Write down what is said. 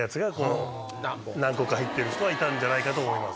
何個か入ってる人はいたんじゃないかと思います。